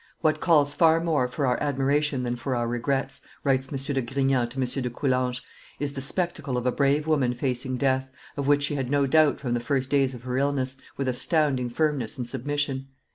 "What calls far more for our admiration than for our regrets," writes M. de Grignan to M. de Coulanges, "is the spectacle of a brave woman facing death, of which she had no doubt from the first days of her illness, with astounding firmness and submission.